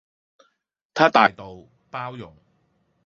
她大道、包容